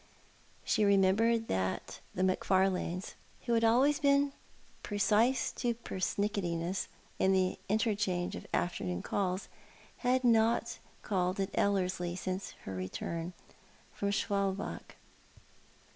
She remembered that tlie Macfarlanes, who had always been precise to pernickettyncss in the interchange of afternoon calls, had not called at Ellerslie since her return from Schwalbach.